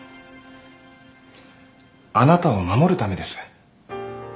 あなたを守るためです。